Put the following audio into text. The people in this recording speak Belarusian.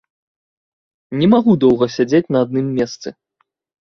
Не магу доўга сядзець на адным месцы.